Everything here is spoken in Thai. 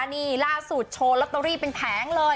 นี่ล่าสุดโชว์ลอตเตอรี่เป็นแผงเลย